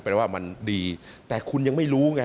แปลว่ามันดีแต่คุณยังไม่รู้ไง